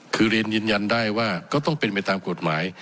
คือเรียนยืนยันได้ว่าก็ต้องเป็นไปตามกฎหมาย